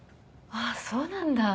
あっそうなんだ。